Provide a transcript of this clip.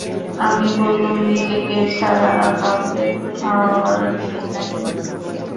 আমি বললুম, নিজেকে ছাড়া আর কাউকে খাওয়াবার নেই নাকি?